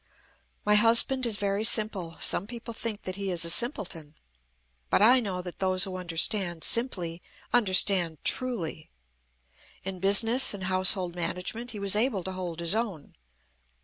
"My husband is very simple. Some people think that he is a simpleton; but I know that those who understand simply, understand truly. In business and household management he was able to hold his own.